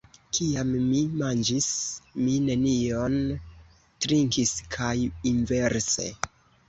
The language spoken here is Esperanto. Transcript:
Kiam mi manĝis mi nenion trinkis kaj inverse.